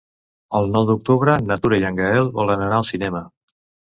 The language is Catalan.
El nou d'octubre na Tura i en Gaël volen anar al cinema.